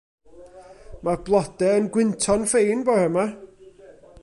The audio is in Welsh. Ma'r blode yn gwynto'n ffein bore 'ma.